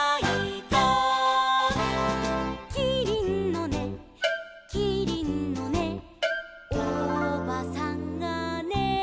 「キリンのねキリンのねおばさんがね」